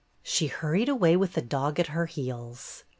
She hurried away with the dog at her heels.